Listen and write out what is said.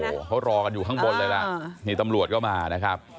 โอ้โหเขารอกันอยู่ข้างบนเลยล่ะนี่ตำรวจก็มานะครับ